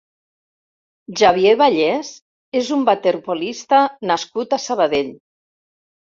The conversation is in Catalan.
Xavier Vallès és un waterpolista nascut a Sabadell.